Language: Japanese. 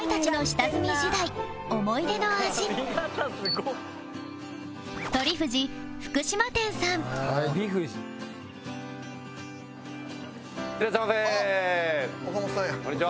こんにちは。